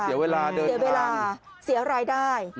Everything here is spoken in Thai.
เสียเวลาเดินเสียเวลาเสียรายได้